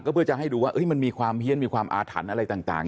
เพื่อจะให้ดูว่ามันมีความเฮียนมีความอาถรรพ์อะไรต่าง